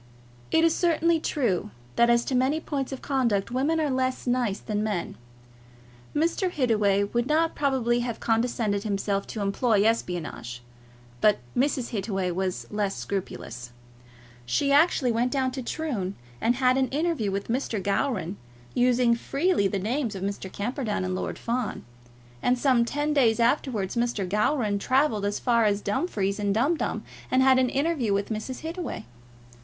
It is certainly true, that as to many points of conduct, women are less nice than men. Mr. Hittaway would not probably have condescended himself to employ espionage, but Mrs. Hittaway was less scrupulous. She actually went down to Troon and had an interview with Mr. Gowran, using freely the names of Mr. Camperdown and of Lord Fawn; and some ten days afterwards Mr. Gowran travelled as far as Dumfries, and Dumdum, and had an interview with Mrs. Hittaway.